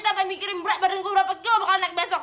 tanpa mikirin berat badan gue berapa kilo bakalan naik besok